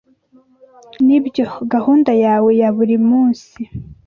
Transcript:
Nibyo gahunda yawe ya buri munsi?